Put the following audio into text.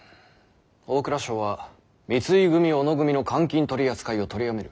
大蔵省は三井組小野組の官金取り扱いを取りやめる。